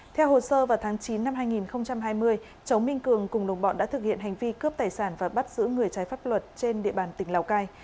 theo hồ sơ vào tháng chín năm hai nghìn hai mươi cháu minh cường cùng đồng bọn đã thực hiện hành vi cướp tài sản và bắt giữ người trái pháp luật trên địa bàn tỉnh lào cai